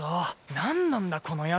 何なんだこの宿！